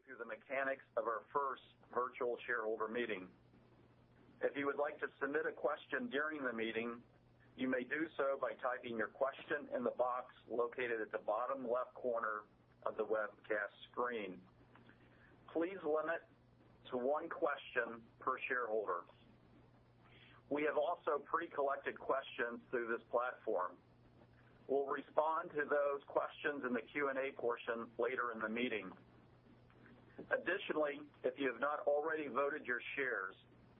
I'd like to go through the mechanics of our first virtual shareholder meeting. If you would like to submit a question during the meeting, you may do so by typing your question in the box located at the bottom left corner of the webcast screen. Please limit to one question per shareholder. We have also pre-collected questions through this platform. We'll respond to those questions in the Q&A portion later in the meeting. Additionally, if you have not already voted your shares,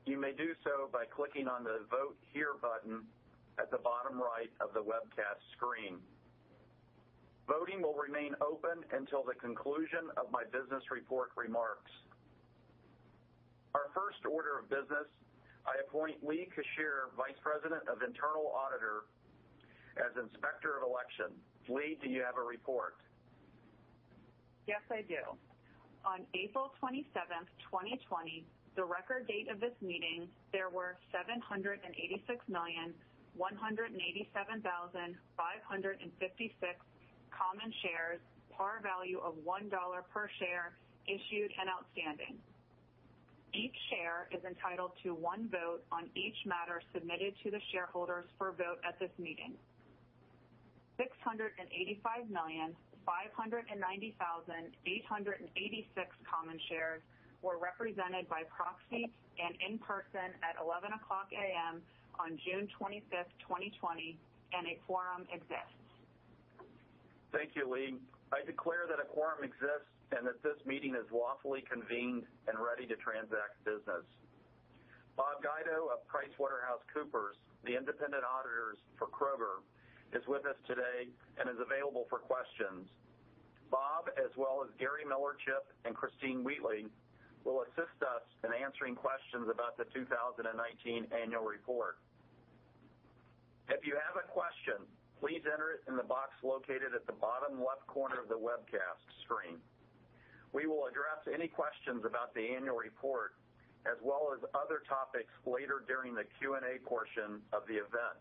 you may do so by clicking on the Vote Here button at the bottom right of the webcast screen. Voting will remain open until the conclusion of my business report remarks. Our first order of business, I appoint Lee Cassiere, Vice President of Internal Audit, as Inspector of Election. Lee, do you have a report? Yes, I do. On April 27th, 2020, the record date of this meeting, there were 786,187,556 common shares, par value of $1 per share issued and outstanding. Each share is entitled to one vote on each matter submitted to the shareholders for a vote at this meeting. 685,590,886 common shares were represented by proxy and in person at 11:00 A.M. on June 25th, 2020. A quorum exists. Thank you, Lee. I declare that a quorum exists and that this meeting is lawfully convened and ready to transact business. Bob Guido of PricewaterhouseCoopers, the independent auditors for Kroger, is with us today and is available for questions. Bob, as well as Gary Millerchip and Christine Wheatley, will assist us in answering questions about the 2019 annual report. If you have a question, please enter it in the box located at the bottom left corner of the webcast screen. We will address any questions about the annual report as well as other topics later during the Q&A portion of the event.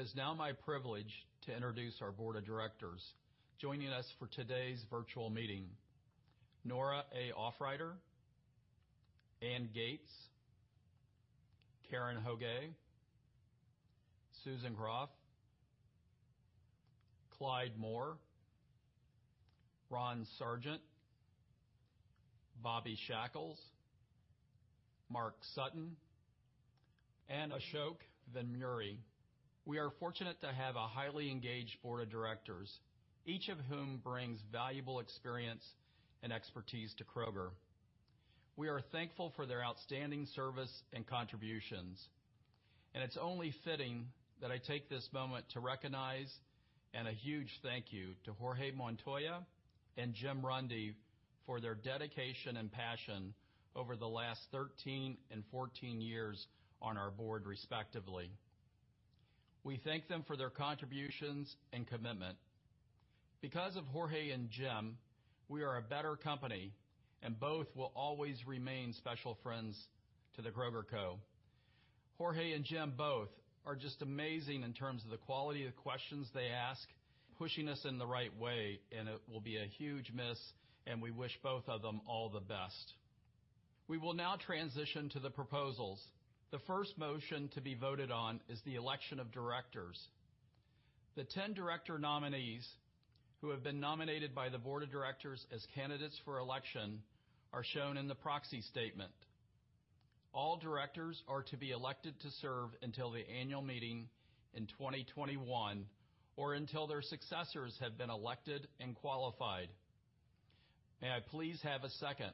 It is now my privilege to introduce our board of directors joining us for today's virtual meeting. Nora A. Aufreiter, Anne Gates, Karen Hoguet, Susan Kropf, Clyde Moore, Ron Sargent, Bobby Shackouls, Mark Sutton, and Ashok Vemuri. We are fortunate to have a highly engaged board of directors, each of whom brings valuable experience and expertise to Kroger. We are thankful for their outstanding service and contributions. It's only fitting that I take this moment to recognize and a huge thank you to Jorge Montoya and Jim Runde for their dedication and passion over the last 13 and 14 years on our board, respectively. We thank them for their contributions and commitment. Because of Jorge and Jim, we are a better company, and both will always remain special friends to The Kroger Co. Jorge and Jim both are just amazing in terms of the quality of questions they ask, pushing us in the right way, and it will be a huge miss, and we wish both of them all the best. We will now transition to the proposals. The first motion to be voted on is the election of directors. The 10 director nominees who have been nominated by the board of directors as candidates for election are shown in the proxy statement. All directors are to be elected to serve until the annual meeting in 2021, or until their successors have been elected and qualified. May I please have a second?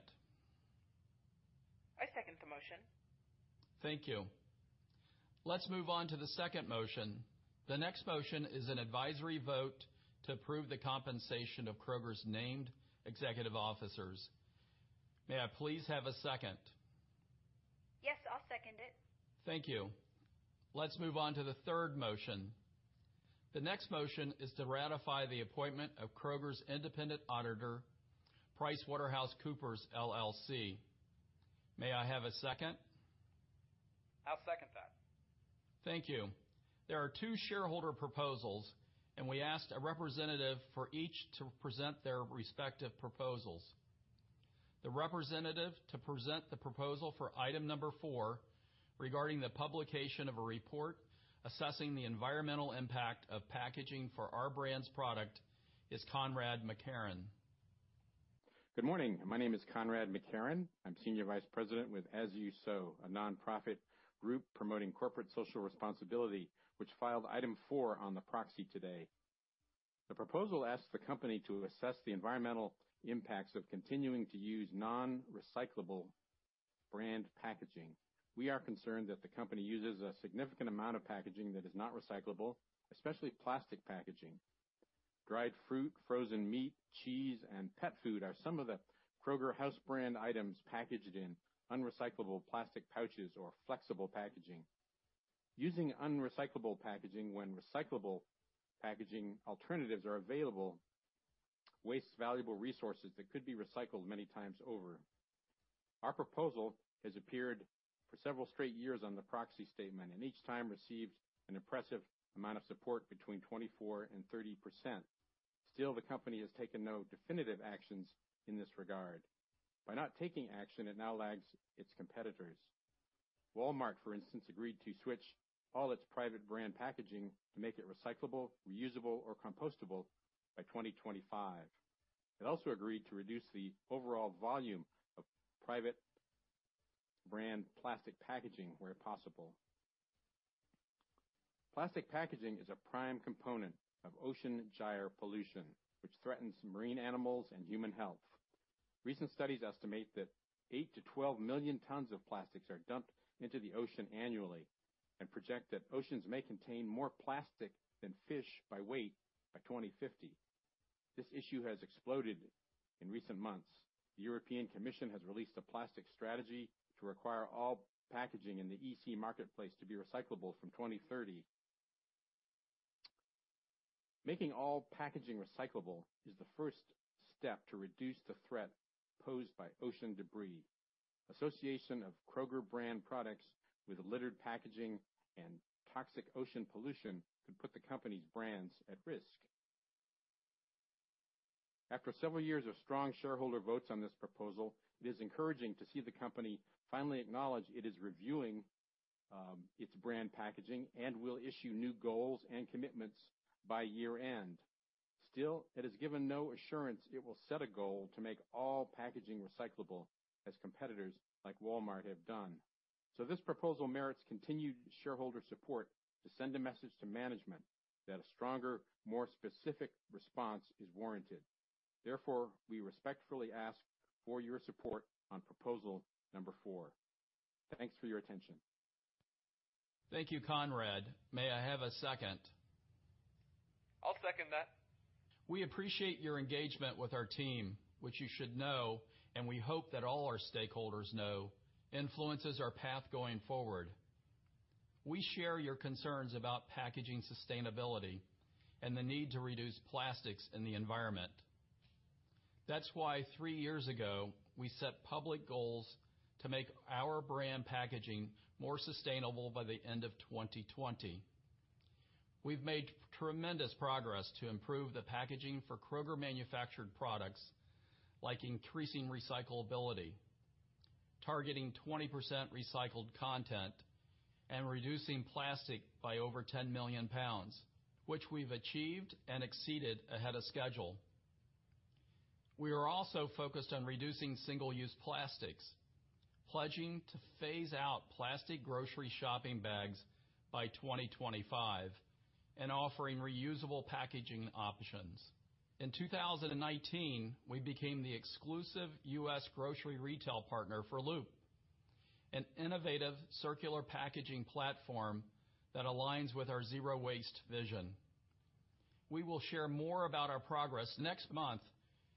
I second the motion. Thank you. Let's move on to the second motion. The next motion is an advisory vote to approve the compensation of Kroger's named executive officers. May I please have a second? Yes, I'll second it. Thank you. Let's move on to the third motion. The next motion is to ratify the appointment of Kroger's independent auditor, PricewaterhouseCoopers LLP. May I have a second? I'll second that. Thank you. There are two shareholder proposals, and we asked a representative for each to present their respective proposals. The representative to present the proposal for item number four regarding the publication of a report assessing the environmental impact of packaging for our brand's product is Conrad MacKerron. Good morning. My name is Conrad MacKerron. I'm Senior Vice President with As You Sow, a nonprofit group promoting corporate social responsibility, which filed item four on the proxy today. The proposal asks the company to assess the environmental impacts of continuing to use non-recyclable brand packaging. We are concerned that the company uses a significant amount of packaging that is not recyclable, especially plastic packaging. Dried fruit, frozen meat, cheese, and pet food are some of the Kroger brand items packaged in unrecyclable plastic pouches or flexible packaging. Using unrecyclable packaging when recyclable packaging alternatives are available wastes valuable resources that could be recycled many times over. Our proposal has appeared for several straight years on the proxy statement, and each time received an impressive amount of support between 24%-30%. Still, the company has taken no definitive actions in this regard. By not taking action, it now lags its competitors. Walmart, for instance, agreed to switch all its private brand packaging to make it recyclable, reusable, or compostable by 2025. It also agreed to reduce the overall volume of private brand plastic packaging where possible. Plastic packaging is a prime component of ocean gyre pollution, which threatens marine animals and human health. Recent studies estimate that eight to 12 million tons of plastics are dumped into the ocean annually and project that oceans may contain more plastic than fish by weight by 2050. This issue has exploded in recent months. The European Commission has released a plastic strategy to require all packaging in the EC marketplace to be recyclable from 2030. Making all packaging recyclable is the first step to reduce the threat posed by ocean debris. Association of Kroger brand products with littered packaging and toxic ocean pollution could put the company's brands at risk. After several years of strong shareholder votes on this proposal, it is encouraging to see the company finally acknowledge it is reviewing its brand packaging and will issue new goals and commitments by year-end. Still, it has given no assurance it will set a goal to make all packaging recyclable as competitors like Walmart have done. This proposal merits continued shareholder support to send a message to management that a stronger, more specific response is warranted. Therefore, we respectfully ask for your support on proposal number four. Thanks for your attention. Thank you, Conrad. May I have a second? I'll second that. We appreciate your engagement with our team, which you should know, and we hope that all our stakeholders know, influences our path going forward. We share your concerns about packaging sustainability and the need to reduce plastics in the environment. That's why three years ago, we set public goals to make our brand packaging more sustainable by the end of 2020. We've made tremendous progress to improve the packaging for Kroger manufactured products, like increasing recyclability, targeting 20% recycled content, and reducing plastic by over 10 million pounds, which we've achieved and exceeded ahead of schedule. We are also focused on reducing single-use plastics, pledging to phase out plastic grocery shopping bags by 2025 and offering reusable packaging options. In 2019, we became the exclusive U.S. grocery retail partner for Loop, an innovative circular packaging platform that aligns with our zero waste vision. We will share more about our progress next month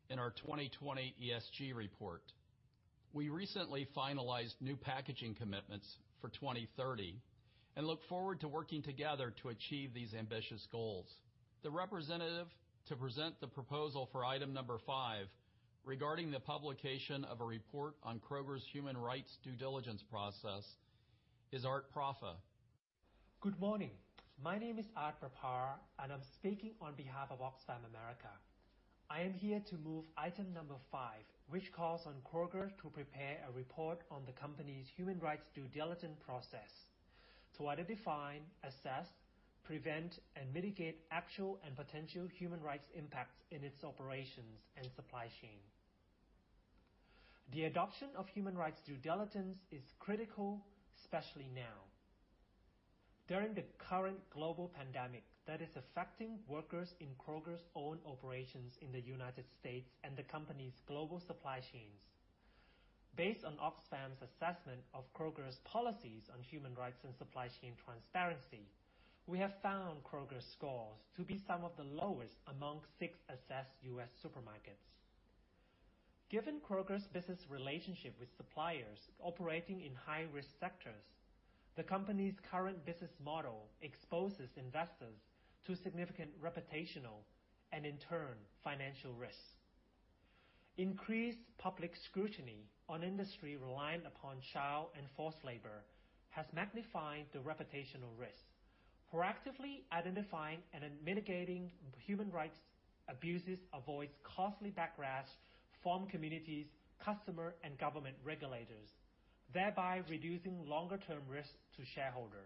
in our 2020 ESG report. We recently finalized new packaging commitments for 2030 and look forward to working together to achieve these ambitious goals. The representative to present the proposal for item number five regarding the publication of a report on Kroger's human rights due diligence process is Art Prapha. Good morning. My name is Art Prapha, and I'm speaking on behalf of Oxfam America. I am here to move item number five, which calls on Kroger to prepare a report on the company's human rights due diligence process to identify, assess, prevent, and mitigate actual and potential human rights impacts in its operations and supply chain. The adoption of human rights due diligence is critical, especially now during the current global pandemic that is affecting workers in Kroger's own operations in the U.S. and the company's global supply chains. Based on Oxfam's assessment of Kroger's policies on human rights and supply chain transparency, we have found Kroger's scores to be some of the lowest among six assessed U.S. supermarkets. Given Kroger's business relationship with suppliers operating in high-risk sectors, the company's current business model exposes investors to significant reputational, and in turn, financial risks. Increased public scrutiny on industry reliant upon child and forced labor has magnified the reputational risk. Proactively identifying and then mitigating human rights abuses avoids costly backlash from communities, customer, and government regulators, thereby reducing longer-term risks to shareholder.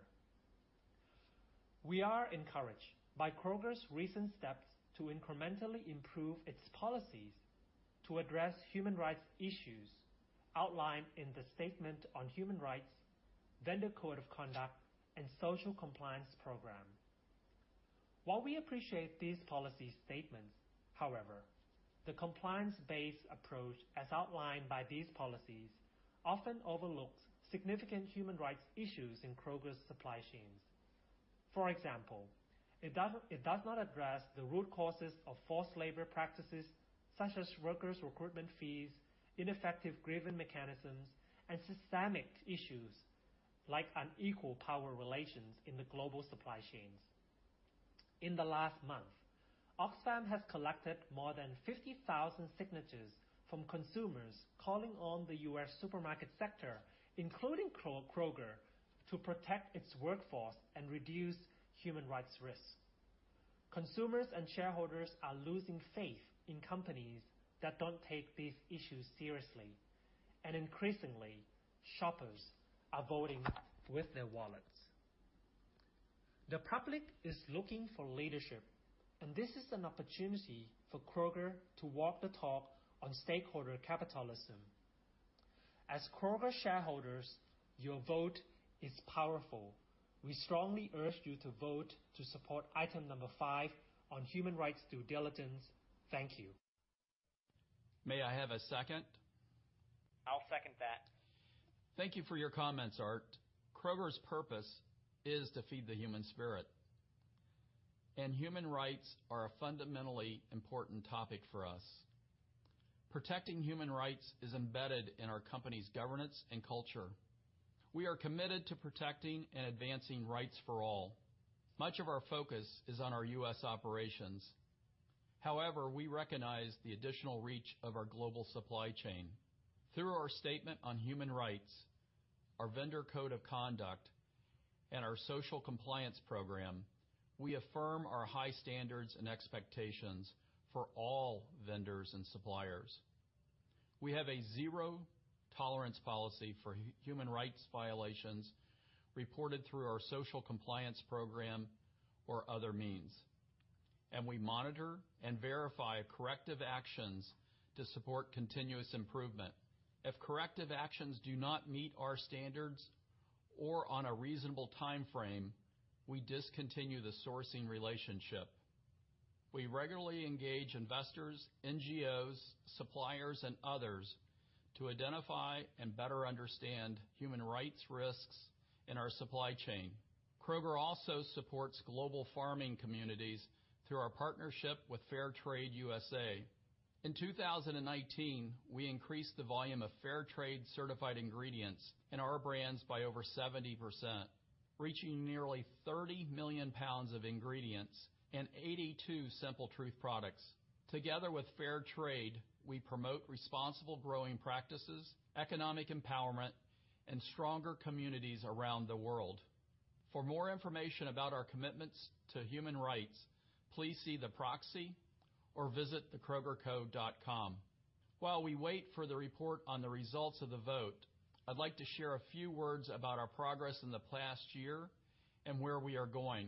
We are encouraged by Kroger's recent steps to incrementally improve its policies to address human rights issues outlined in the statement on human rights, vendor code of conduct, and social compliance program. While we appreciate these policy statements, however, the compliance-based approach as outlined by these policies often overlooks significant human rights issues in Kroger's supply chains. For example, it does not address the root causes of forced labor practices such as workers' recruitment fees, ineffective grievance mechanisms, and systemic issues like unequal power relations in the global supply chains. In the last month, Oxfam has collected more than 50,000 signatures from consumers calling on the U.S. supermarket sector, including Kroger, to protect its workforce and reduce human rights risks. Consumers and shareholders are losing faith in companies that don't take these issues seriously, and increasingly, shoppers are voting with their wallets. The public is looking for leadership, and this is an opportunity for Kroger to walk the talk on stakeholder capitalism. As Kroger shareholders, your vote is powerful. We strongly urge you to vote to support item number 5 on human rights due diligence. Thank you. May I have a second? I'll second that. Thank you for your comments, Art. Kroger's purpose is to feed the human spirit, and human rights are a fundamentally important topic for us. Protecting human rights is embedded in our company's governance and culture. We are committed to protecting and advancing rights for all. Much of our focus is on our U.S. operations. However, we recognize the additional reach of our global supply chain. Through our statement on human rights, our vendor code of conduct, and our social compliance program, we affirm our high standards and expectations for all vendors and suppliers. We have a zero tolerance policy for human rights violations reported through our social compliance program or other means, and we monitor and verify corrective actions to support continuous improvement. If corrective actions do not meet our standards or on a reasonable timeframe, we discontinue the sourcing relationship. We regularly engage investors, NGOs, suppliers, and others to identify and better understand human rights risks in our supply chain. Kroger also supports global farming communities through our partnership with Fair Trade USA. In 2019, we increased the volume of Fair Trade certified ingredients in our brands by over 70%, reaching nearly 30 million pounds of ingredients and 82 Simple Truth products. Together with Fair Trade, we promote responsible growing practices, economic empowerment, and stronger communities around the world. For more information about our commitments to human rights, please see the proxy or visit thekrogerco.com. While we wait for the report on the results of the vote, I'd like to share a few words about our progress in the past year and where we are going.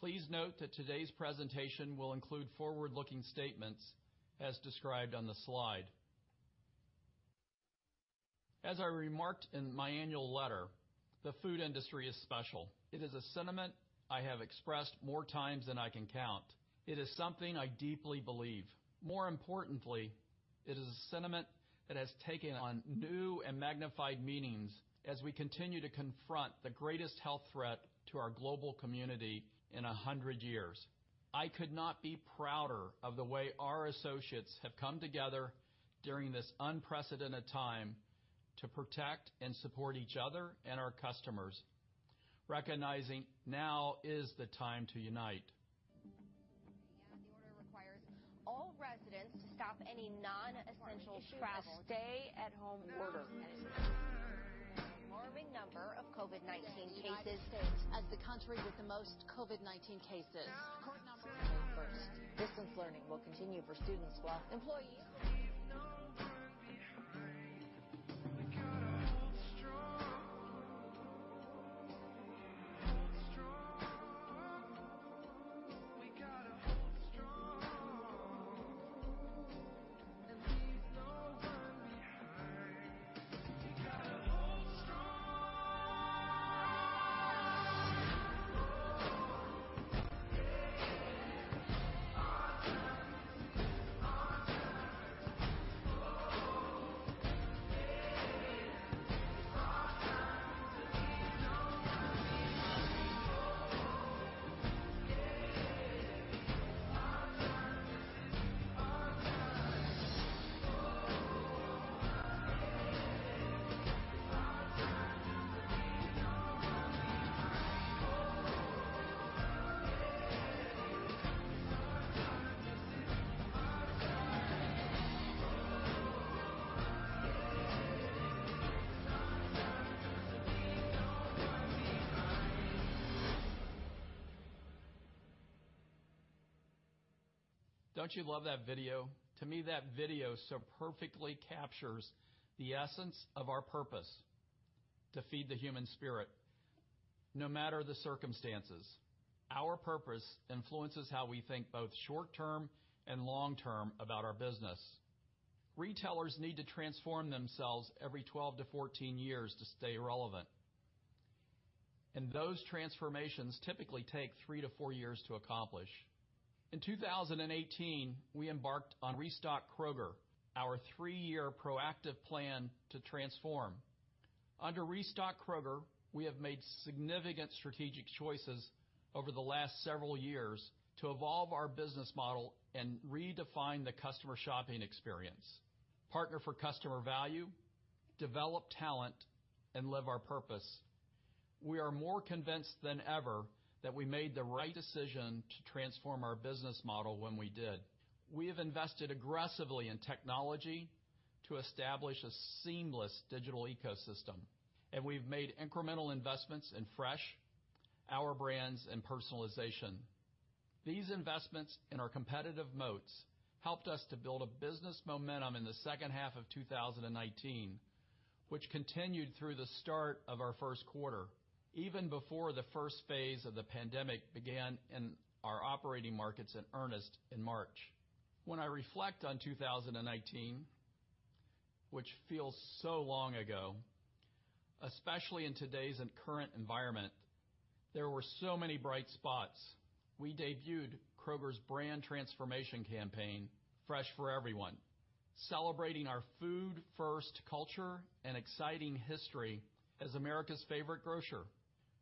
Please note that today's presentation will include forward-looking statements as described on the slide. As I remarked in my annual letter, the food industry is special. It is a sentiment I have expressed more times than I can count. It is something I deeply believe. More importantly, it is a sentiment that has taken on new and magnified meanings as we continue to confront the greatest health threat to our global community in 100 years. I could not be prouder of the way our associates have come together during this unprecedented time to protect and support each other and our customers, recognizing now is the time to unite. The order requires all residents to stop any non-essential travel. Stay-at-home order. An alarming number of COVID-19 cases. As the country with the most COVID-19 cases. Court number First, distance learning will continue for students while employees Leave no one behind. We gotta hold strong. Yeah, hold strong. We gotta hold strong. Leave no one behind. We gotta hold strong. Oh, yeah. Our time. This is our time. Oh, yeah. Our time. To leave no one behind. Oh, yeah. Our time. This is our time. Oh, yeah. Our time. To leave no one behind. Oh, yeah. Our time. This is our time. Oh, yeah. Our time. To leave no one behind. Don't you love that video? To me, that video so perfectly captures the essence of our purpose to feed the human spirit, no matter the circumstances. Our purpose influences how we think both short term and long term about our business. Retailers need to transform themselves every 12 to 14 years to stay relevant. Those transformations typically take 3 to 4 years to accomplish. In 2018, we embarked on Restock Kroger, our 3-year proactive plan to transform. Under Restock Kroger, we have made significant strategic choices over the last several years to evolve our business model and redefine the customer shopping experience. Partner for customer value, develop talent, and live our purpose. We are more convinced than ever that we made the right decision to transform our business model when we did. We have invested aggressively in technology to establish a seamless digital ecosystem. We've made incremental investments in fresh, our brands, and personalization. These investments in our competitive moats helped us to build a business momentum in the second half of 2019, which continued through the start of our first quarter, even before the first phase of the pandemic began in our operating markets in earnest in March. When I reflect on 2019, which feels so long ago, especially in today's and current environment, there were so many bright spots. We debuted Kroger's brand transformation campaign, Fresh for Everyone, celebrating our food first culture and exciting history as America's favorite grocer.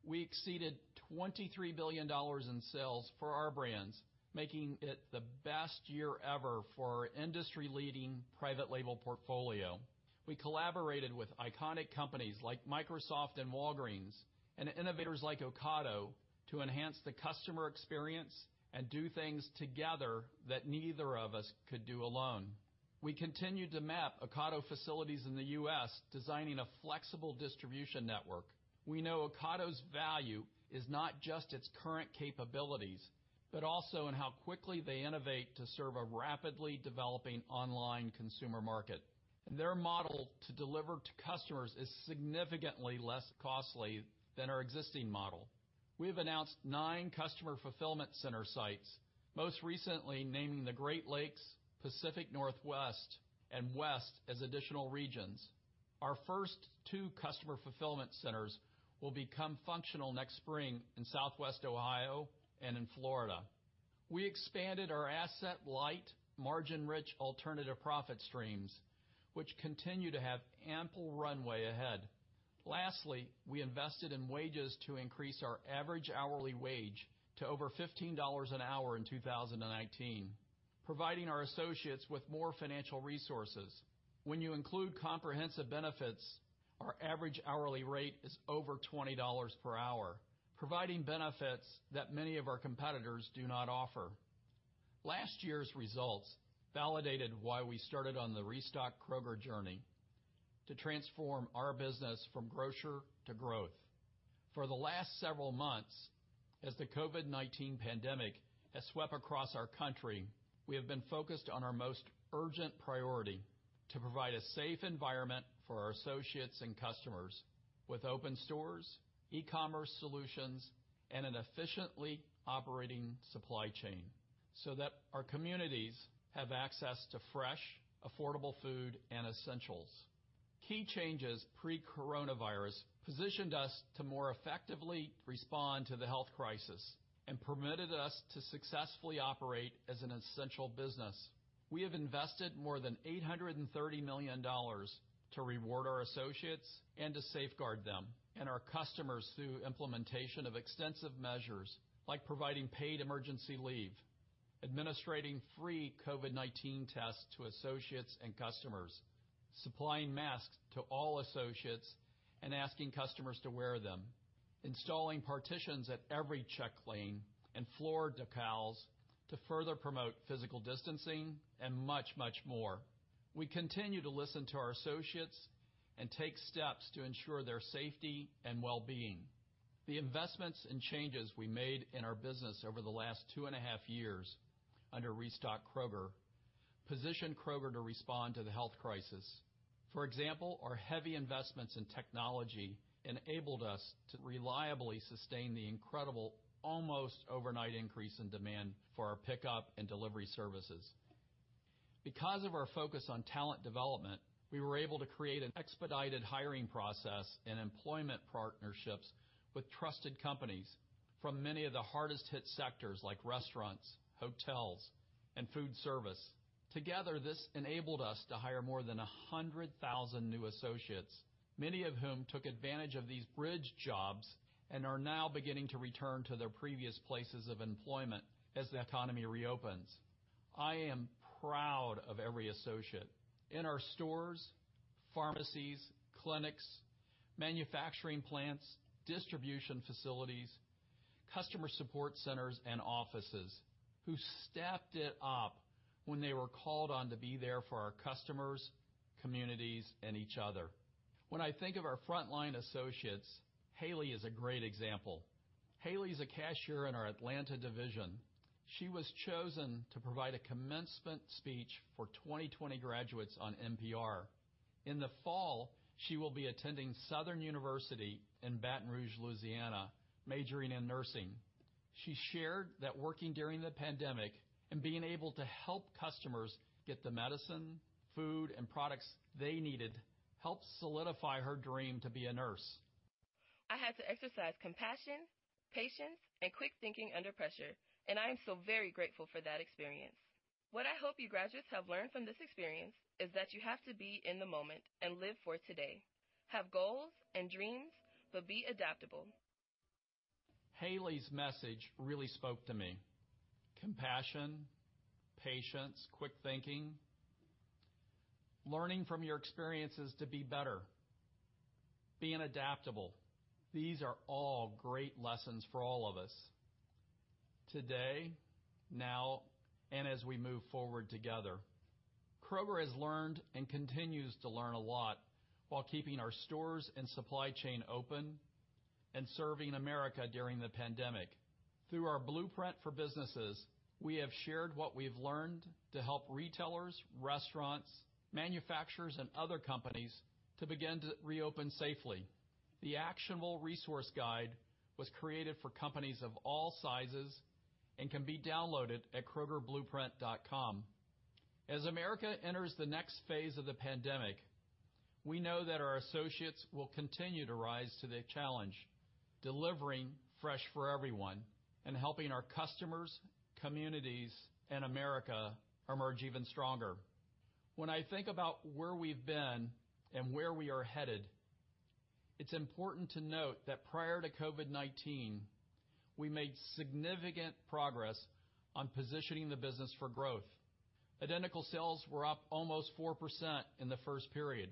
We exceeded $23 billion in sales for our brands, making it the best year ever for our industry leading private label portfolio. We collaborated with iconic companies like Microsoft and Walgreens. Innovators like Ocado to enhance the customer experience and do things together that neither of us could do alone. We continued to map Ocado facilities in the U.S., designing a flexible distribution network. We know Ocado's value is not just its current capabilities, but also in how quickly they innovate to serve a rapidly developing online consumer market. Their model to deliver to customers is significantly less costly than our existing model. We have announced nine customer fulfillment center sites, most recently naming the Great Lakes, Pacific Northwest, and West as additional regions. Our first two customer fulfillment centers will become functional next spring in Southwest Ohio and in Florida. We expanded our asset light, margin rich alternative profit streams, which continue to have ample runway ahead. Lastly, we invested in wages to increase our average hourly wage to over $15 an hour in 2019, providing our associates with more financial resources. When you include comprehensive benefits, our average hourly rate is over $20 per hour, providing benefits that many of our competitors do not offer. Last year's results validated why we started on the Restock Kroger journey to transform our business from grocer to growth. For the last several months, as the COVID-19 pandemic has swept across our country, we have been focused on our most urgent priority to provide a safe environment for our associates and customers with open stores, e-commerce solutions, and an efficiently operating supply chain so that our communities have access to fresh, affordable food and essentials. Key changes pre coronavirus positioned us to more effectively respond to the health crisis and permitted us to successfully operate as an essential business. We have invested more than $830 million to reward our associates and to safeguard them and our customers through implementation of extensive measures like providing paid emergency leave, administrating free COVID-19 tests to associates and customers, supplying masks to all associates and asking customers to wear them, installing partitions at every check lane, and floor decals to further promote physical distancing and much, much more. We continue to listen to our associates and take steps to ensure their safety and well-being. The investments and changes we made in our business over the last two and a half years under Restock Kroger positioned Kroger to respond to the health crisis. For example, our heavy investments in technology enabled us to reliably sustain the incredible, almost overnight increase in demand for our pickup and delivery services. Because of our focus on talent development, we were able to create an expedited hiring process and employment partnerships with trusted companies from many of the hardest hit sectors like restaurants, hotels, and food service. Together, this enabled us to hire more than 100,000 new associates, many of whom took advantage of these bridge jobs and are now beginning to return to their previous places of employment as the economy reopens. I am proud of every associate in our stores, pharmacies, clinics, manufacturing plants, distribution facilities, customer support centers, and offices who stepped it up when they were called on to be there for our customers, communities, and each other. When I think of our frontline associates, Haley is a great example. Haley is a cashier in our Atlanta division. She was chosen to provide a commencement speech for 2020 graduates on NPR. In the fall, she will be attending Southern University in Baton Rouge, Louisiana, majoring in nursing. She shared that working during the pandemic and being able to help customers get the medicine, food, and products they needed helped solidify her dream to be a nurse. I had to exercise compassion, patience, and quick thinking under pressure, and I am so very grateful for that experience. What I hope you graduates have learned from this experience is that you have to be in the moment and live for today. Have goals and dreams, but be adaptable. Haley's message really spoke to me. Compassion, patience, quick thinking, learning from your experiences to be better, being adaptable. These are all great lessons for all of us today, now, and as we move forward together. Kroger has learned and continues to learn a lot while keeping our stores and supply chain open and serving America during the pandemic. Through our A Blueprint for Businesses, we have shared what we've learned to help retailers, restaurants, manufacturers, and other companies to begin to reopen safely. The actionable resource guide was created for companies of all sizes and can be downloaded at krogerblueprint.com. As America enters the next phase of the pandemic, we know that our associates will continue to rise to the challenge, delivering Fresh for Everyone and helping our customers, communities, and America emerge even stronger. When I think about where we've been and where we are headed, it's important to note that prior to COVID-19, we made significant progress on positioning the business for growth. Identical sales were up almost 4% in the first period,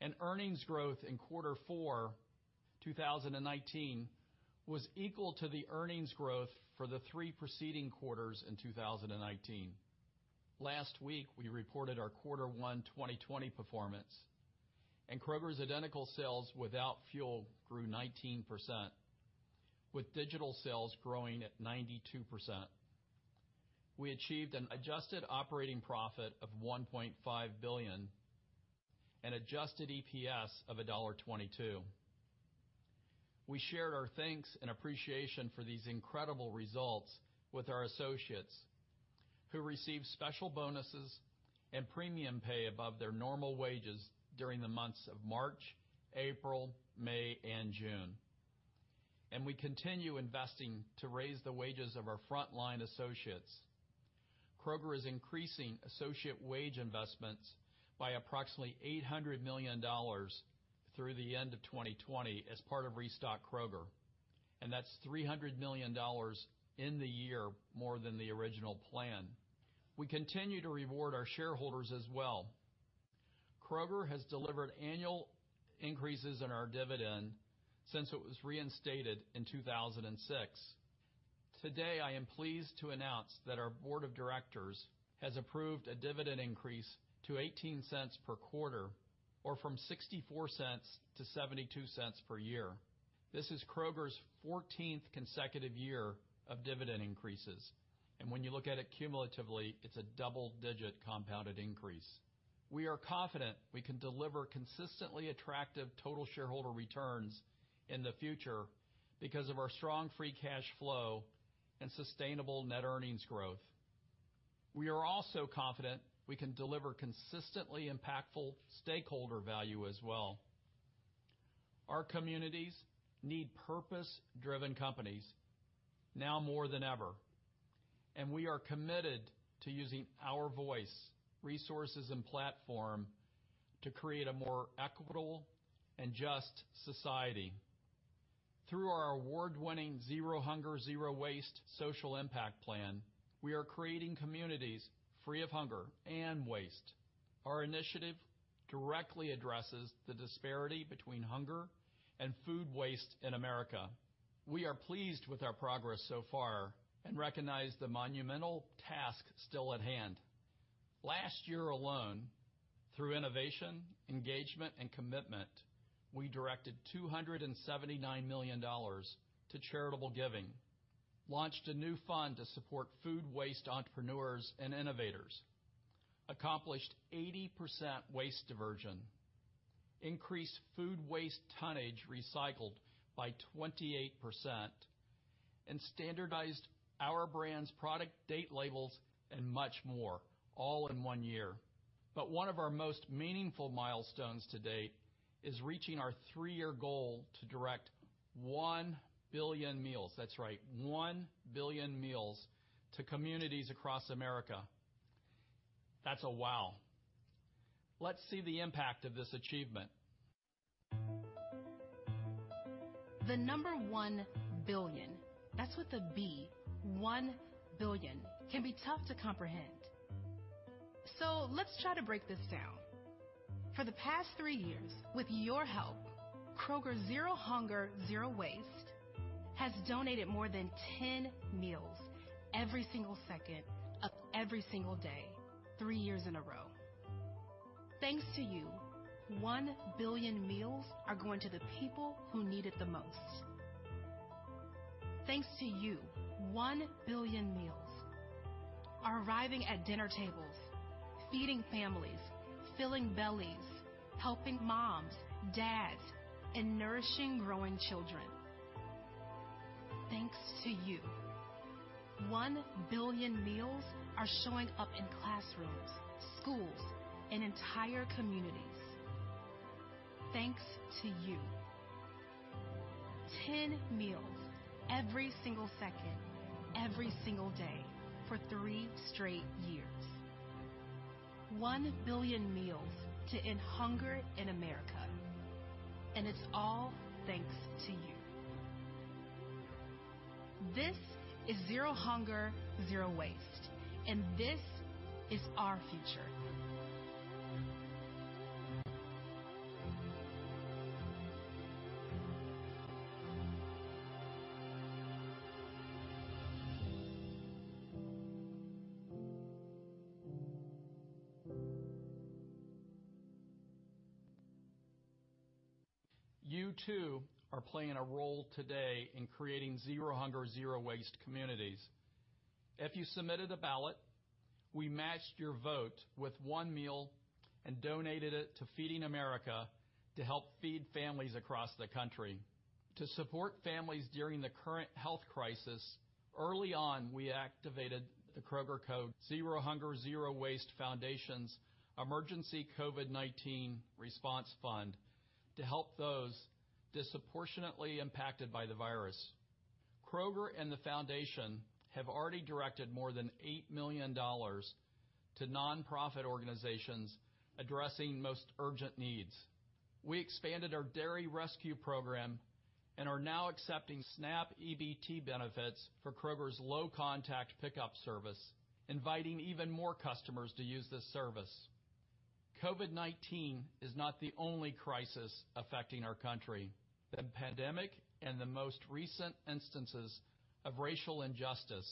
and earnings growth in quarter 4 2019 was equal to the earnings growth for the three preceding quarters in 2019. Last week, we reported our quarter 1 2020 performance, Kroger's identical sales without fuel grew 19%, with digital sales growing at 92%. We achieved an adjusted operating profit of $1.5 billion and adjusted EPS of $1.22. We shared our thanks and appreciation for these incredible results with our associates who received special bonuses and premium pay above their normal wages during the months of March, April, May, and June. We continue investing to raise the wages of our frontline associates. Kroger is increasing associate wage investments by approximately $800 million through the end of 2020 as part of Restock Kroger, and that's $300 million in the year more than the original plan. We continue to reward our shareholders as well. Kroger has delivered annual increases in our dividend since it was reinstated in 2006. Today, I am pleased to announce that our board of directors has approved a dividend increase to $0.18 per quarter, or from $0.64 to $0.72 per year. This is Kroger's 14th consecutive year of dividend increases, and when you look at it cumulatively, it's a double-digit compounded increase. We are confident we can deliver consistently attractive total shareholder returns in the future because of our strong free cash flow and sustainable net earnings growth. We are also confident we can deliver consistently impactful stakeholder value as well. Our communities need purpose-driven companies now more than ever, and we are committed to using our voice, resources, and platform to create a more equitable and just society. Through our award-winning Zero Hunger | Zero Waste social impact plan, we are creating communities free of hunger and waste. Our initiative directly addresses the disparity between hunger and food waste in America. We are pleased with our progress so far and recognize the monumental task still at hand. Last year alone, through innovation, engagement, and commitment, we directed $279 million to charitable giving, launched a new fund to support food waste entrepreneurs and innovators, accomplished 80% waste diversion, increased food waste tonnage recycled by 28%, and standardized our brand's product date labels and much more, all in one year. One of our most meaningful milestones to date is reaching our three-year goal to direct one billion meals. That's right, 1 billion meals to communities across America. That's a wow. Let's see the impact of this achievement. The number 1 billion, that's with a B, 1 billion, can be tough to comprehend. Let's try to break this down. For the past 3 years, with your help, Kroger Zero Hunger | Zero Waste has donated more than 10 meals every single second of every single day, 3 years in a row. Thanks to you, 1 billion meals are going to the people who need it the most. Thanks to you, 1 billion meals are arriving at dinner tables, feeding families, filling bellies, helping moms, dads, and nourishing growing children. Thanks to you, 1 billion meals are showing up in classrooms, schools, and entire communities. Thanks to you, 10 meals every single second, every single day for 3 straight years. 1 billion meals to end hunger in America, and it's all thanks to you. This is Zero Hunger | Zero Waste, and this is our future. You too are playing a role today in creating Zero Hunger | Zero Waste communities. If you submitted a ballot, we matched your vote with 1 meal and donated it to Feeding America to help feed families across the country. To support families during the current health crisis, early on, we activated The Kroger Co. Zero Hunger | Zero Waste Foundation's Emergency COVID-19 Response Fund to help those disproportionately impacted by the virus. Kroger and the foundation have already directed more than $8 million to nonprofit organizations addressing the most urgent needs. We expanded our Dairy Rescue Program and are now accepting SNAP EBT benefits for Kroger's low contact pickup service, inviting even more customers to use this service. COVID-19 is not the only crisis affecting our country. The pandemic and the most recent instances of racial injustice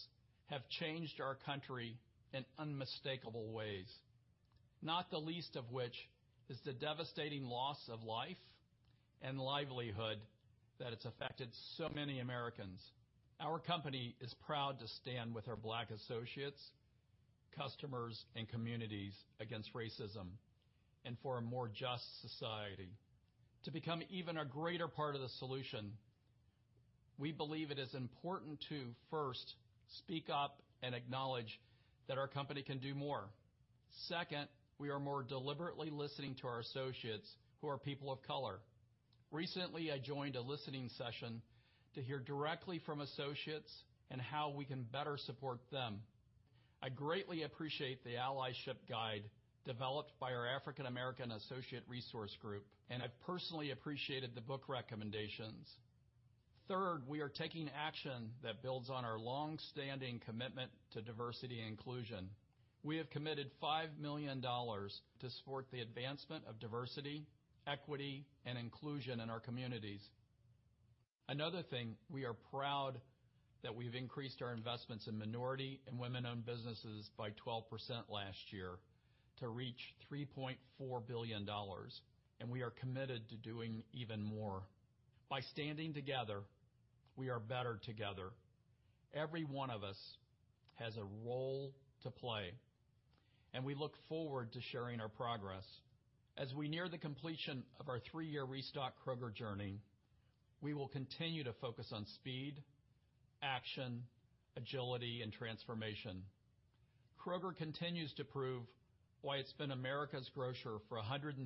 have changed our country in unmistakable ways, not the least of which is the devastating loss of life and livelihood that has affected so many Americans. Our company is proud to stand with our Black associates, customers, and communities against racism and for a more just society. To become even a greater part of the solution, we believe it is important to first speak up and acknowledge that our company can do more. Second, we are more deliberately listening to our associates who are people of color. Recently, I joined a listening session to hear directly from associates and how we can better support them. I greatly appreciate the Allyship Guide developed by our African American Associate Resource Group, and I personally appreciated the book recommendations. Third, we are taking action that builds on our longstanding commitment to diversity and inclusion. We have committed $5 million to support the advancement of diversity, equity, and inclusion in our communities. Another thing, we are proud that we've increased our investments in minority and women-owned businesses by 12% last year to reach $3.4 billion, and we are committed to doing even more. By standing together, we are better together. Every one of us has a role to play, and we look forward to sharing our progress. As we near the completion of our three-year Restock Kroger journey, we will continue to focus on speed, action, agility, and transformation. Kroger continues to prove why it's been America's grocer for 137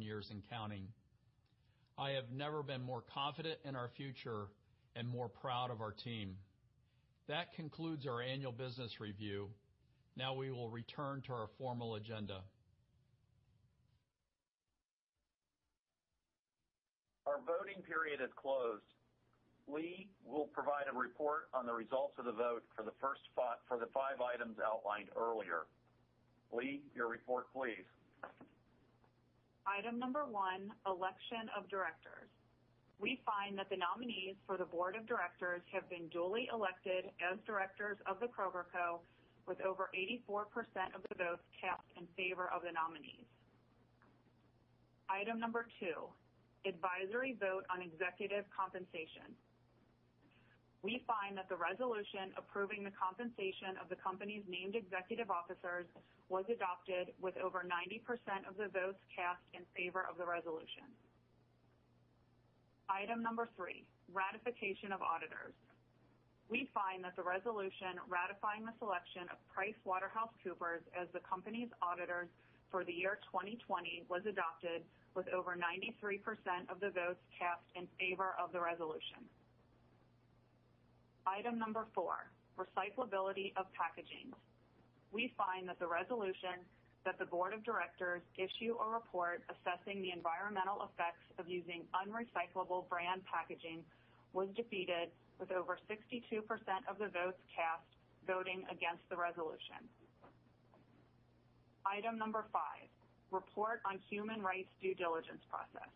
years and counting. I have never been more confident in our future and more proud of our team. That concludes our annual business review. Now we will return to our formal agenda. Our voting period has closed. Lee will provide a report on the results of the vote for the five items outlined earlier. Lee, your report, please. Item number one, election of directors. We find that the nominees for the board of directors have been duly elected as directors of The Kroger Co with over 84% of the votes cast in favor of the nominees. Item number two, advisory vote on executive compensation. We find that the resolution approving the compensation of the company's named executive officers was adopted with over 90% of the votes cast in favor of the resolution. Item number three, ratification of auditors. We find that the resolution ratifying the selection of PricewaterhouseCoopers as the company's auditors for the year 2020 was adopted with over 93% of the votes cast in favor of the resolution. Item number four, recyclability of packaging. We find that the resolution that the board of directors issue a report assessing the environmental effects of using unrecyclable brand packaging was defeated with over 62% of the votes cast voting against the resolution. Item number 5, report on human rights due diligence process.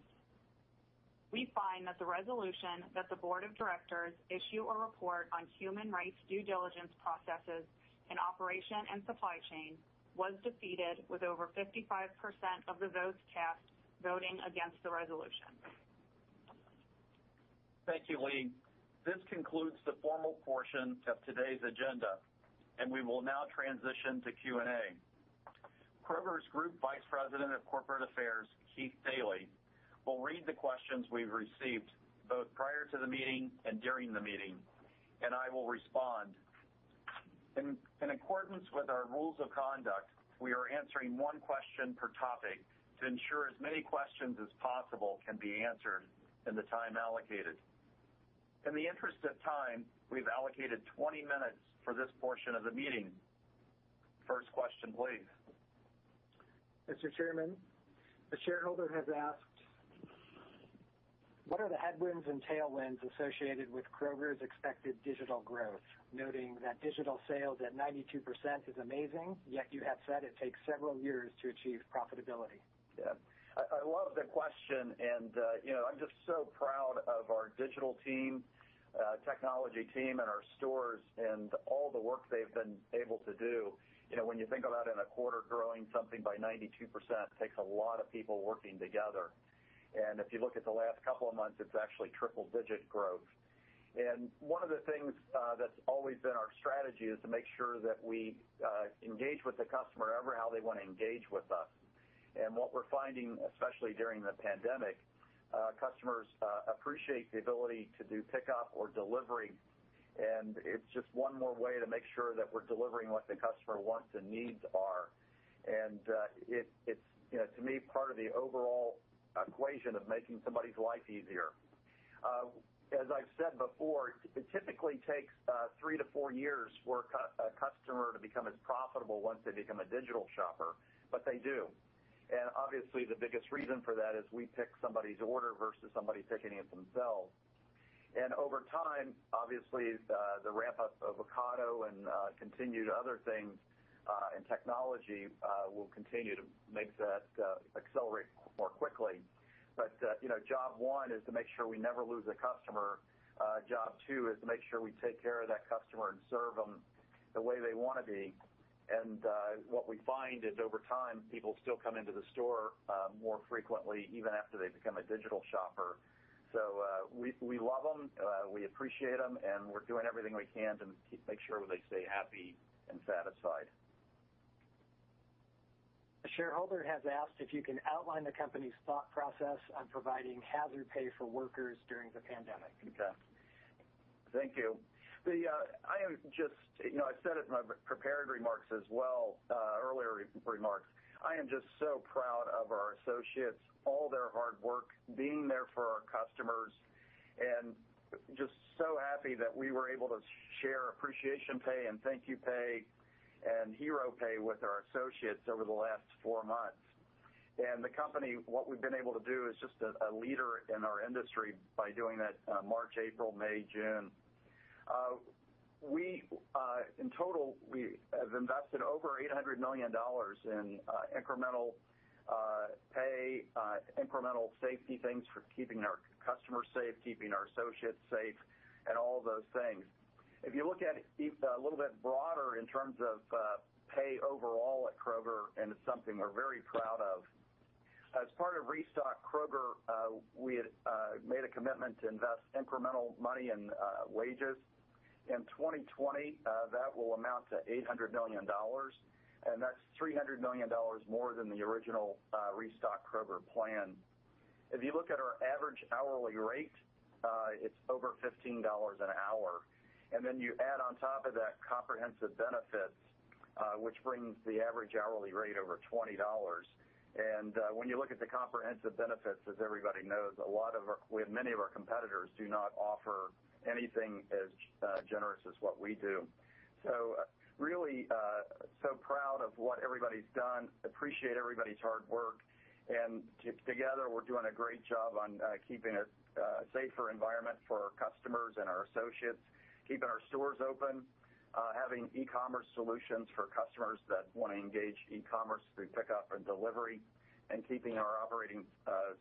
We find that the resolution that the board of directors issue a report on human rights due diligence processes in operation and supply chain was defeated with over 55% of the votes cast voting against the resolution. Thank you, Lee. This concludes the formal portion of today's agenda. We will now transition to Q&A. Kroger's Group Vice President of Corporate Affairs, Keith Dailey, will read the questions we've received both prior to the meeting and during the meeting. I will respond. In accordance with our rules of conduct, we are answering one question per topic to ensure as many questions as possible can be answered in the time allocated. In the interest of time, we've allocated 20 minutes for this portion of the meeting. First question, please. Mr. Chairman, a shareholder has asked, "What are the headwinds and tailwinds associated with Kroger's expected digital growth?" Noting that digital sales at 92% is amazing, yet you have said it takes several years to achieve profitability. Yeah. I'm just so proud of our digital team, technology team in our stores, and all the work they've been able to do. When you think about in a quarter growing something by 92%, takes a lot of people working together. If you look at the last couple of months, it's actually triple-digit growth. One of the things that's always been our strategy is to make sure that we engage with the customer however they want to engage with us. What we're finding, especially during the pandemic, customers appreciate the ability to do pickup or delivery. It's just one more way to make sure that we're delivering what the customer wants and needs are. It's, to me, part of the overall equation of making somebody's life easier. As I've said before, it typically takes three to four years for a customer to become as profitable once they become a digital shopper, but they do. Obviously, the biggest reason for that is we pick somebody's order versus somebody picking it themselves. Over time, obviously, the ramp-up of Ocado and continued other things in technology will continue to make that accelerate more quickly. Job one is to make sure we never lose a customer. Job two is to make sure we take care of that customer and serve them the way they want to be. What we find is, over time, people still come into the store more frequently, even after they become a digital shopper. We love them, we appreciate them, and we're doing everything we can to make sure they stay happy and satisfied. A shareholder has asked if you can outline the company's thought process on providing hazard pay for workers during the pandemic. Okay. Thank you. I said it in my prepared remarks as well, earlier remarks. I am just so proud of our associates, all their hard work, being there for our customers, and just so happy that we were able to share appreciation pay, and thank you pay, and hero pay with our associates over the last four months. The company, what we've been able to do is just a leader in our industry by doing that March, April, May, June. In total, we have invested over $800 million in incremental pay, incremental safety things for keeping our customers safe, keeping our associates safe, and all those things. If you look at it a little bit broader in terms of pay overall at Kroger, it's something we're very proud of. As part of Restock Kroger, we had made a commitment to invest incremental money in wages. In 2020, that will amount to $800 million, and that's $300 million more than the original Restock Kroger plan. If you look at our average hourly rate, it's over $15 an hour. Then you add on top of that comprehensive benefits, which brings the average hourly rate over $20. When you look at the comprehensive benefits, as everybody knows, many of our competitors do not offer anything as generous as what we do. Really so proud of what everybody's done, appreciate everybody's hard work, and together, we're doing a great job on keeping a safer environment for our customers and our associates, keeping our stores open, having e-commerce solutions for customers that want to engage e-commerce through pickup and delivery, and keeping our operating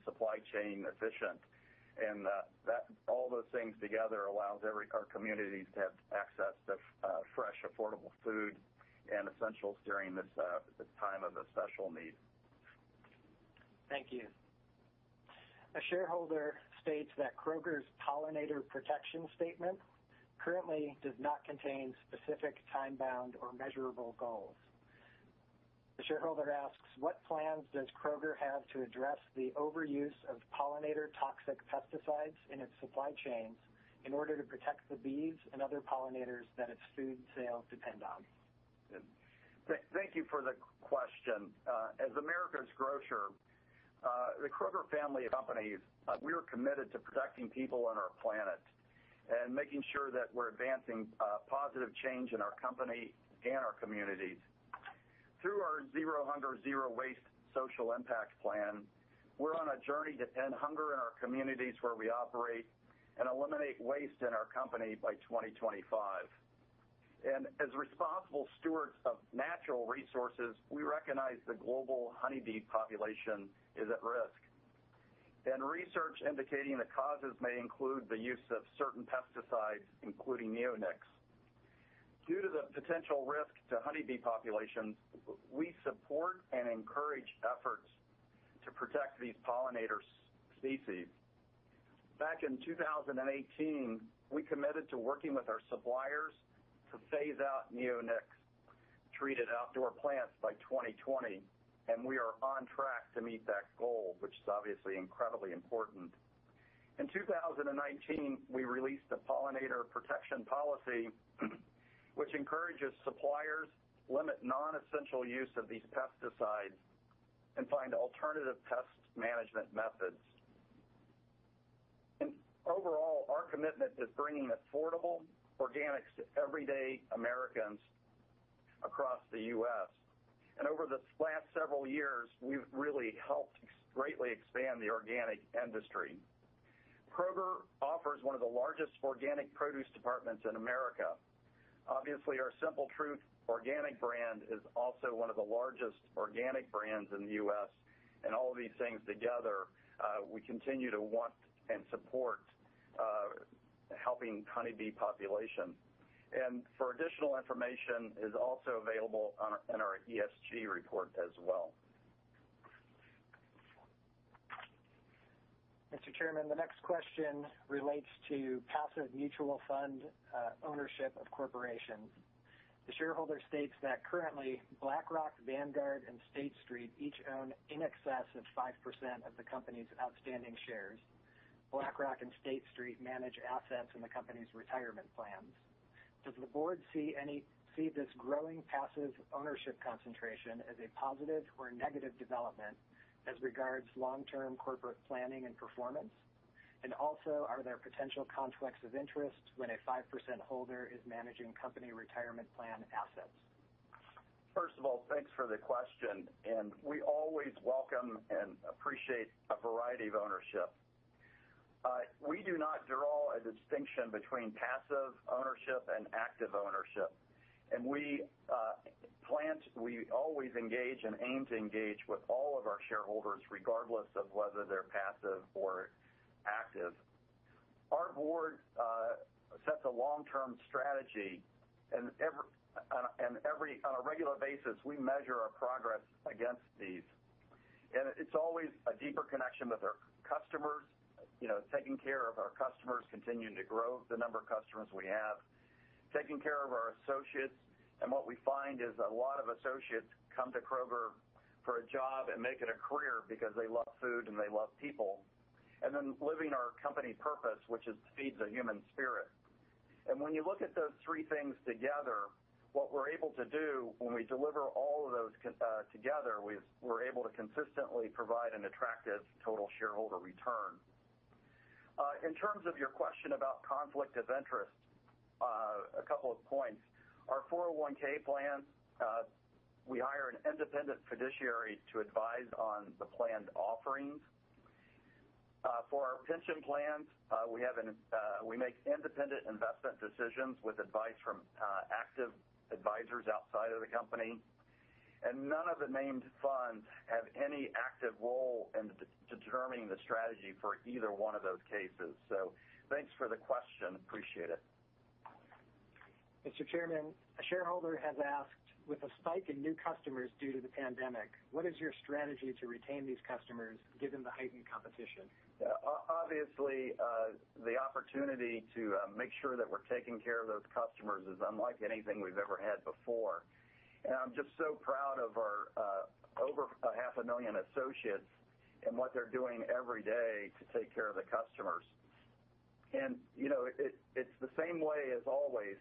supply chain efficient. All those things together allows our communities to have access to fresh, affordable food and essentials during this time of a special need. Thank you. A shareholder states that Kroger's Pollinator Protection Statement currently does not contain specific time-bound or measurable goals. The shareholder asks, "What plans does Kroger have to address the overuse of pollinator-toxic pesticides in its supply chains in order to protect the bees and other pollinators that its food sales depend on? Good. Thank you for the question. As America's grocer, The Kroger Co. family of companies, we're committed to protecting people and our planet and making sure that we're advancing positive change in our company and our communities. Through our Zero Hunger | Zero Waste social impact plan, we're on a journey to end hunger in our communities where we operate and eliminate waste in our company by 2025. As responsible stewards of natural resources, we recognize the global honeybee population is at risk. Research indicating the causes may include the use of certain pesticides, including neonics. Due to the potential risk to honeybee populations, we support and encourage efforts these pollinator species. Back in 2018, we committed to working with our suppliers to phase out neonics-treated outdoor plants by 2020, we are on track to meet that goal, which is obviously incredibly important. In 2019, we released a Pollinator Protection Policy, which encourages suppliers limit non-essential use of these pesticides and find alternative pest management methods. Overall, our commitment is bringing affordable organics to everyday Americans across the U.S., and over the last several years, we've really helped greatly expand the organic industry. Kroger offers one of the largest organic produce departments in America. Obviously, our Simple Truth Organic brand is also one of the largest organic brands in the U.S. All of these things together, we continue to want and support helping honeybee population. For additional information is also available in our ESG report as well. Mr. Chairman, the next question relates to passive mutual fund ownership of corporations. The shareholder states that currently, BlackRock, Vanguard, and State Street each own in excess of 5% of the company's outstanding shares. BlackRock and State Street manage assets in the company's retirement plans. Does the board see this growing passive ownership concentration as a positive or negative development as regards long-term corporate planning and performance? Also, are there potential conflicts of interest when a 5% holder is managing company retirement plan assets? First of all, thanks for the question, and we always welcome and appreciate a variety of ownership. We do not draw a distinction between passive ownership and active ownership, and we plan to, we always engage and aim to engage with all of our shareholders, regardless of whether they're passive or active. Our board sets a long-term strategy and on a regular basis, we measure our progress against these. It's always a deeper connection with our customers, taking care of our customers, continuing to grow the number of customers we have. Taking care of our associates, and what we find is a lot of associates come to Kroger for a job and make it a career because they love food and they love people. Then living our company purpose, which is feeds the human spirit. When you look at those three things together, what we're able to do when we deliver all of those together, we're able to consistently provide an attractive total shareholder return. In terms of your question about conflict of interest, a couple of points. Our 401 plan, we hire an independent fiduciary to advise on the planned offerings. For our pension plans, we make independent investment decisions with advice from active advisors outside of the company, and none of the named funds have any active role in determining the strategy for either one of those cases. Thanks for the question. Appreciate it. Mr. Chairman, a shareholder has asked, with a spike in new customers due to the pandemic, what is your strategy to retain these customers given the heightened competition? Obviously, the opportunity to make sure that we're taking care of those customers is unlike anything we've ever had before. I'm just so proud of our over 500,000 associates and what they're doing every day to take care of the customers. It's the same way as always.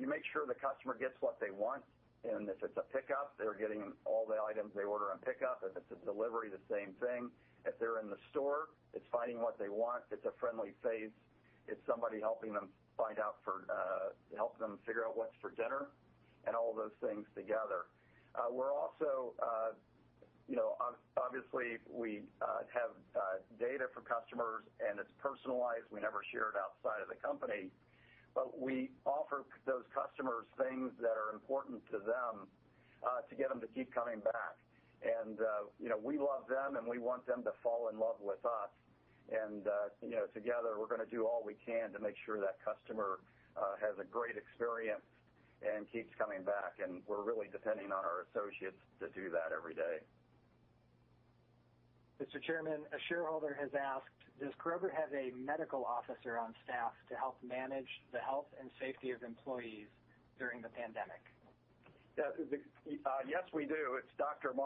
You make sure the customer gets what they want, and if it's a pickup, they're getting all the items they order on pickup. If it's a delivery, the same thing. If they're in the store, it's finding what they want, it's a friendly face, it's somebody helping them figure out what's for dinner and all of those things together. We have data for customers, and it's personalized. We never share it outside of the company. But we offer those customers things that are important to them, to get them to keep coming back. We love them, and we want them to fall in love with us. Together, we're going to do all we can to make sure that customer has a great experience and keeps coming back. We're really depending on our associates to do that every day. Mr. Chairman, a shareholder has asked, "Does Kroger have a medical officer on staff to help manage the health and safety of employees during the pandemic? Yes, we do. It's Marc Watkins,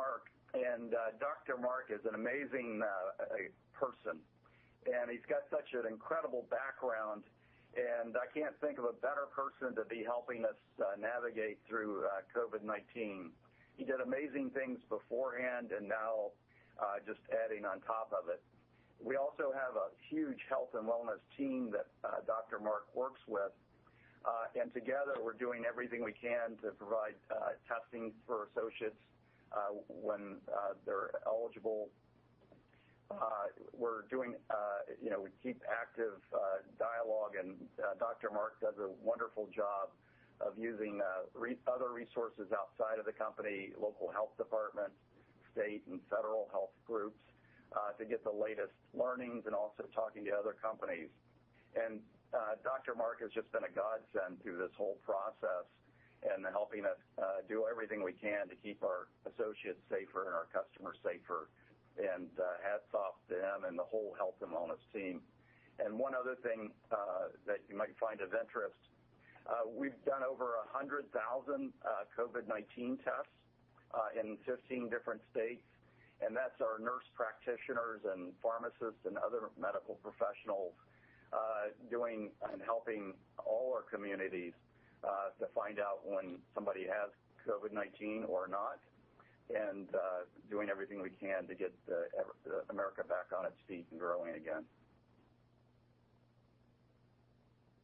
and Marc Watkins is an amazing person, and he's got such an incredible background. I can't think of a better person to be helping us navigate through COVID-19. He did amazing things beforehand, and now, just adding on top of it. We also have a huge health and wellness team that Marc Watkins works with. Together, we're doing everything we can to provide testing for associates when they're eligible. We keep active dialogue, and Marc Watkins does a wonderful job of using other resources outside of the company, local health departments, state and federal health groups, to get the latest learnings, and also talking to other companies. Marc Watkins has just been a godsend through this whole process in helping us do everything we can to keep our associates safer and our customers safer. Hats off to him and the whole health and wellness team. One other thing that you might find of interest, we've done over 100,000 COVID-19 tests in 15 different states, and that's our nurse practitioners and pharmacists and other medical professionals doing and helping all our communities to find out when somebody has COVID-19 or not, and doing everything we can to get America back on its feet and growing again.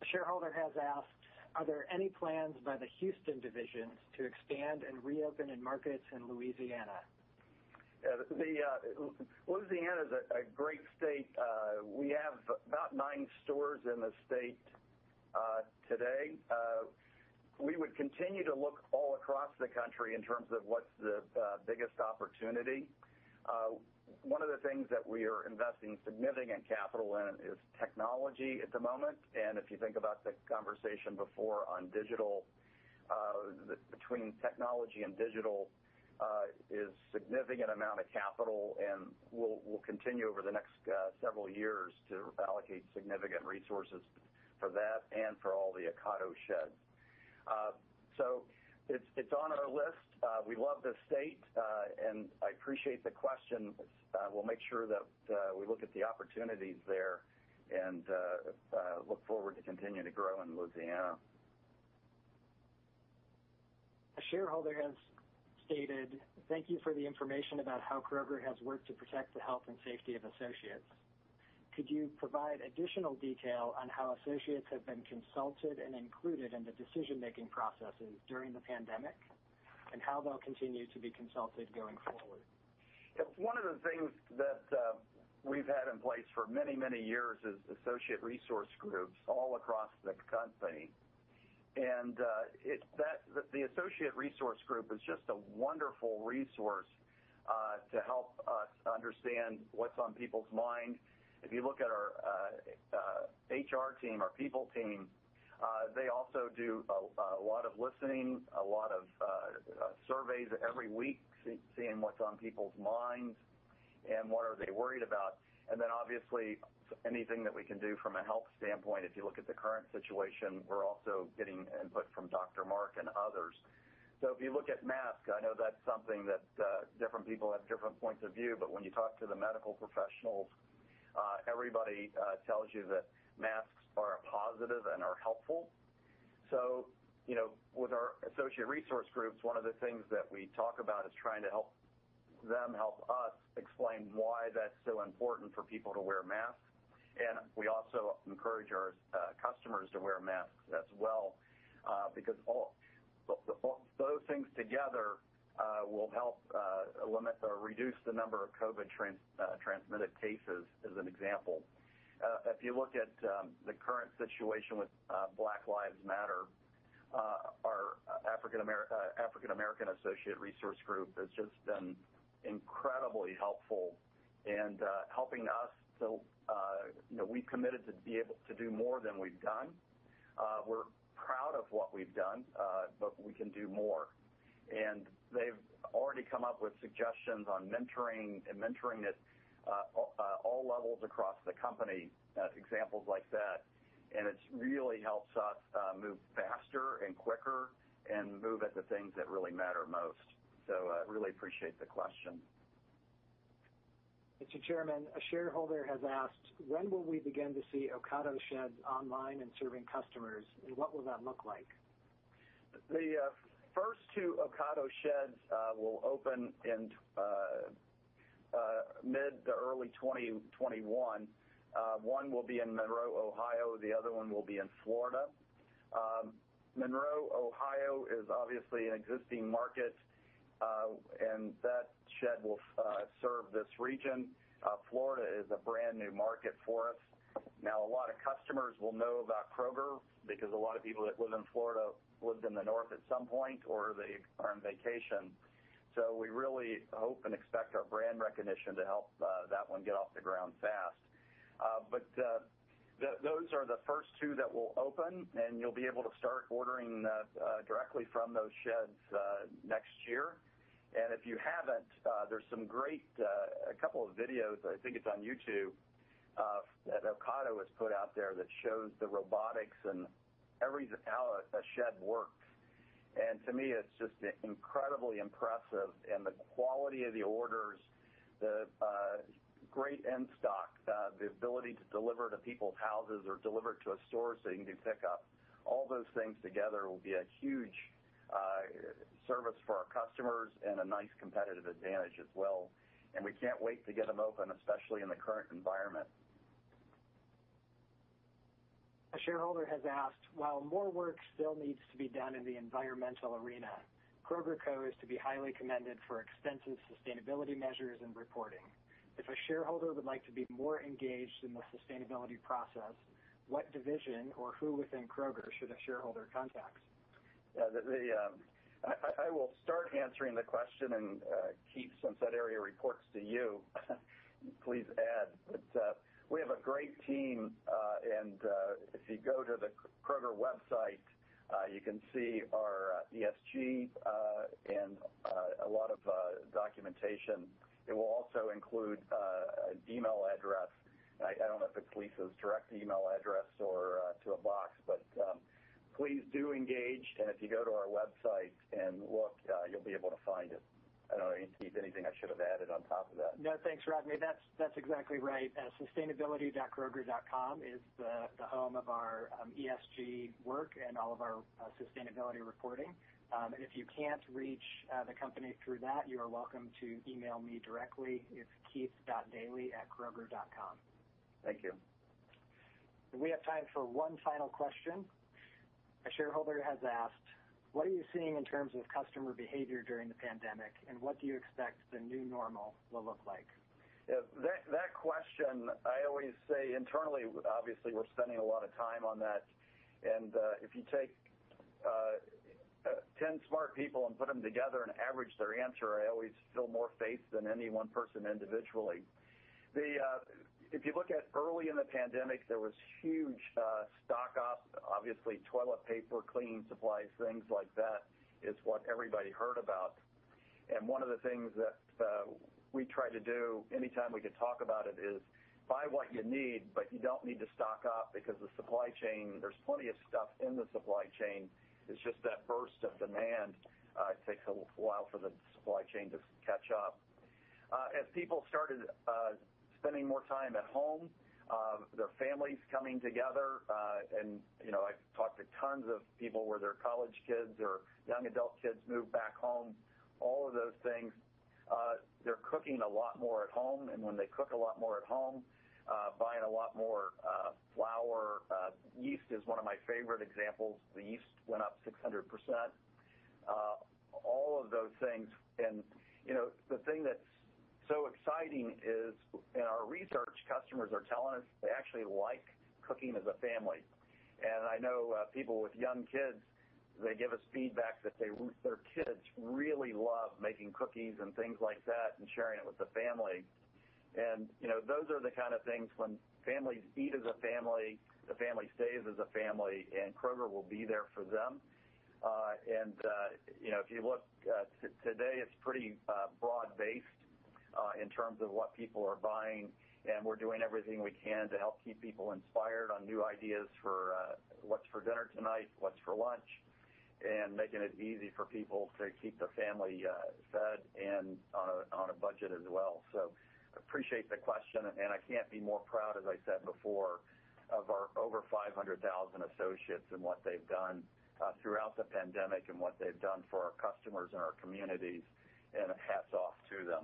A shareholder has asked, "Are there any plans by the Houston division to expand and reopen in markets in Louisiana? Louisiana is a great state. We have about nine stores in the state today. We would continue to look all across the country in terms of what's the biggest opportunity. One of the things that we are investing significant capital in is technology at the moment, and if you think about the conversation before on digital, between technology and digital, is significant amount of capital, and we'll continue over the next several years to allocate significant resources for that and for all the Ocado sheds. It's on our list. We love the state. I appreciate the question. We'll make sure that we look at the opportunities there and look forward to continue to grow in Louisiana. A shareholder has stated, "Thank you for the information about how Kroger has worked to protect the health and safety of associates. Could you provide additional detail on how associates have been consulted and included in the decision-making processes during the pandemic, and how they'll continue to be consulted going forward? One of the things that we've had in place for many years is associate resource groups all across the company. The associate resource group is just a wonderful resource to help us understand what's on people's mind. If you look at our HR team, our people team, they also do a lot of listening, a lot of surveys every week, seeing what's on people's minds and what are they worried about. Then obviously anything that we can do from a health standpoint. If you look at the current situation, we're also getting input from Marc Watkins and others. If you look at masks, I know that's something that different people have different points of view. When you talk to the medical professionals everybody tells you that masks are a positive and are helpful. With our associate resource groups, one of the things that we talk about is trying to help them help us explain why that's so important for people to wear masks. We also encourage our customers to wear masks as well because all those things together will help limit or reduce the number of COVID transmitted cases as an example. If you look at the current situation with Black Lives Matter our African American associate resource group has just been incredibly helpful in helping us to We've committed to be able to do more than we've done. We're proud of what we've done but we can do more. They've already come up with suggestions on mentoring at all levels across the company examples like that. It really helps us move faster and quicker and move at the things that really matter most. I really appreciate the question. Mr. Chairman, a shareholder has asked, "When will we begin to see Ocado sheds online and serving customers, and what will that look like? The first two Ocado sheds will open in mid to early 2021. One will be in Monroe, Ohio, the other one will be in Florida. Monroe, Ohio, is obviously an existing market and that shed will serve this region. Florida is a brand new market for us. A lot of customers will know about Kroger because a lot of people that live in Florida lived in the North at some point, or they are on vacation. We really hope and expect our brand recognition to help that one get off the ground fast. Those are the first two that will open, and you'll be able to start ordering directly from those sheds next year. If you haven't, there's a couple of videos, I think it's on YouTube, that Ocado has put out there that shows the robotics and how a shed works. To me, it's just incredibly impressive and the quality of the orders, the great in-stock, the ability to deliver to people's houses or deliver to a store so you can do pickup. All those things together will be a huge service for our customers and a nice competitive advantage as well. We can't wait to get them open, especially in the current environment. A shareholder has asked, "While more work still needs to be done in the environmental arena, The Kroger Co. is to be highly commended for extensive sustainability measures and reporting. If a shareholder would like to be more engaged in the sustainability process, what division or who within Kroger should a shareholder contact? Yeah. I will start answering the question and Keith, since that area reports to you, please add. We have a great team, and if you go to the Kroger website, you can see our ESG and a lot of documentation. It will also include an email address. I don't know if it's Lisa's direct email address or to a box, but please do engage. If you go to our website and look, you'll be able to find it. I don't know, Keith, anything I should've added on top of that? No, thanks, Rodney. That's exactly right. sustainability.kroger.com is the home of our ESG work and all of our sustainability reporting. If you can't reach the company through that, you are welcome to email me directly. It's keith.dailey@kroger.com. Thank you. We have time for one final question. A shareholder has asked, "What are you seeing in terms of customer behavior during the pandemic, and what do you expect the new normal will look like? That question, I always say internally, obviously, we're spending a lot of time on that. If you take 10 smart people and put them together and average their answer, I always feel more faith than any one person individually. If you look at early in the pandemic, there was huge stock up. Obviously toilet paper, cleaning supplies, things like that is what everybody heard about. One of the things that we try to do anytime we could talk about it is buy what you need, but you don't need to stock up because the supply chain, there's plenty of stuff in the supply chain. It's just that burst of demand takes a little while for the supply chain to catch up. As people started spending more time at home, their families coming together, I've talked to tons of people where their college kids or young adult kids moved back home, all of those things. They're cooking a lot more at home, when they cook a lot more at home, buying a lot more flour. Yeast is one of my favorite examples. The yeast went up 600%. All of those things. The thing that's so exciting is in our research, customers are telling us they actually like cooking as a family. I know people with young kids, they give us feedback that their kids really love making cookies and things like that and sharing it with the family. Those are the kind of things when families eat as a family, the family stays as a family, and Kroger will be there for them. If you look today, it's pretty broad based in terms of what people are buying, we're doing everything we can to help keep people inspired on new ideas for what's for dinner tonight, what's for lunch, and making it easy for people to keep the family fed and on a budget as well. Appreciate the question, I can't be more proud, as I said before, of our over 500,000 associates and what they've done throughout the pandemic and what they've done for our customers and our communities. Hats off to them.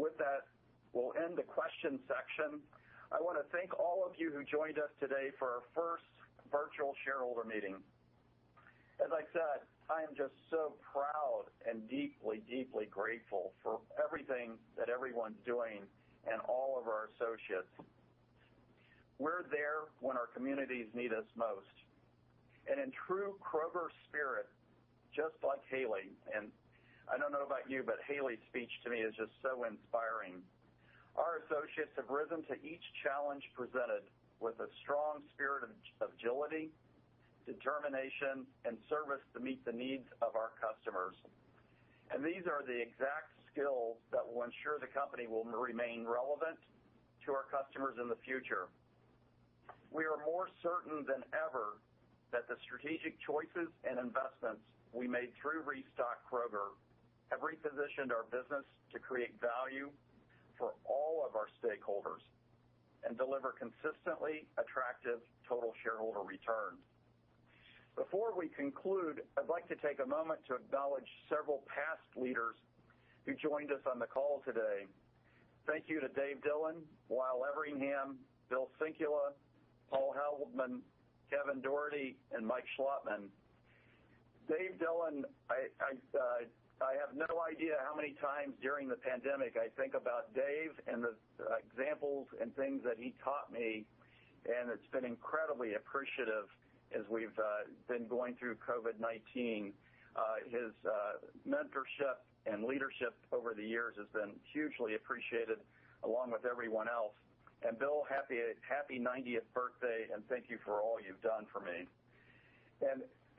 With that, we'll end the question section. I want to thank all of you who joined us today for our first virtual shareholder meeting. As I said, I am just so proud and deeply grateful for everything that everyone's doing and all of our associates. We're there when our communities need us most. In true Kroger spirit, just like Haley, I don't know about you, but Haley's speech to me is just so inspiring. Our associates have risen to each challenge presented with a strong spirit of agility, determination, and service to meet the needs of our customers. These are the exact skills that will ensure the company will remain relevant to our customers in the future. We are more certain than ever that the strategic choices and investments we made through Restock Kroger have repositioned our business to create value for all of our stakeholders and deliver consistently attractive total shareholder returns. Before we conclude, I'd like to take a moment to acknowledge several past leaders who joined us on the call today. Thank you to Dave Dillon, Lyle Everingham, Bill Sinkula, Paul Heldman, Kevin Dougherty, and Mike Schlotman. Dave Dillon, I have no idea how many times during the pandemic I think about Dave and the examples and things that he taught me, it's been incredibly appreciative as we've been going through COVID-19. His mentorship and leadership over the years has been hugely appreciated along with everyone else. Bill, happy 90th birthday and thank you for all you've done for me.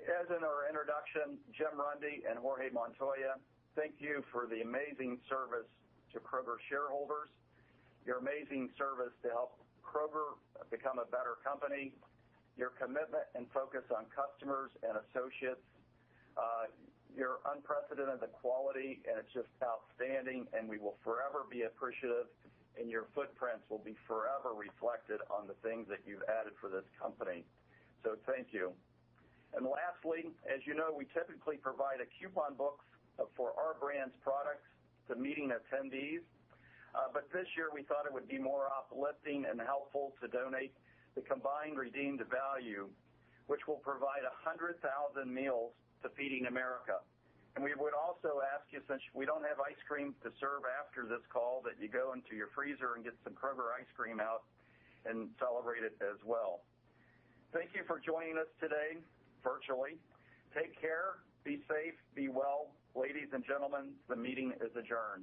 As in our introduction, Jim Runde and Jorge Montoya, thank you for the amazing service to Kroger shareholders, your amazing service to help Kroger become a better company, your commitment and focus on customers and associates. Your unprecedented quality and it's just outstanding, we will forever be appreciative, and your footprints will be forever reflected on the things that you've added for this company. Thank you. Lastly, as you know, we typically provide a coupon book for our brand's products to meeting attendees. This year, we thought it would be more uplifting and helpful to donate the combined redeemed value, which will provide 100,000 meals to Feeding America. We would also ask you, since we don't have ice cream to serve after this call, that you go into your freezer and get some Kroger ice cream out and celebrate it as well. Thank you for joining us today virtually. Take care. Be safe. Be well. Ladies and gentlemen, the meeting is adjourned